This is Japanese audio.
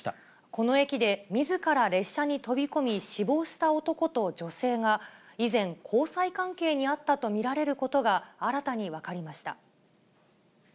この駅でみずから列車に飛び込み、死亡した男と女性が以前、交際関係にあったと見られることが新たに分かりました。